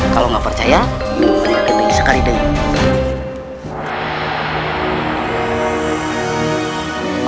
kalau gak percaya kita gede sekali deh